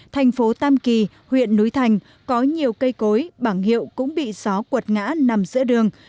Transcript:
thành phố tam kỳ huyện núi thành có nhiều cây cối bảng hiệu cũng bị gió cuột ngã nằm giữa đường